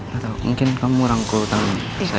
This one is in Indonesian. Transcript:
gak tau mungkin kamu rangkul tangan